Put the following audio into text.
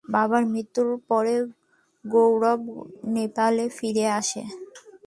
বাবার মৃত্যুর পরে গৌরব নেপালে ফিরে আসে।